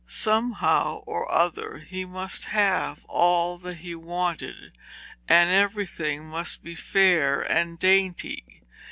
Somehow or other he must have all that he wanted, and everything must be fair and dainty.